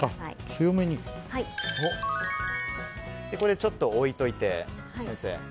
これでちょっと置いておいて。